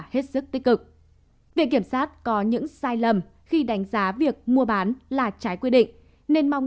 hết sức tích cực viện kiểm sát có những sai lầm khi đánh giá việc mua bán là trái quy định nên mong